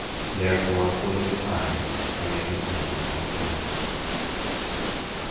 Therefore for this time I make an end of my sayings.